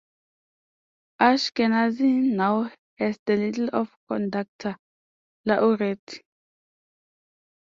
Ashkenazy now has the title of conductor laureate.